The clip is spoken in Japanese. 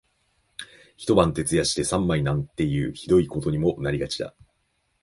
一晩徹夜して三枚なんていう酷いことにもなりがちだ